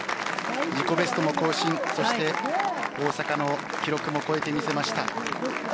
自己ベストも更新、そして大阪の記録も超えて見せました。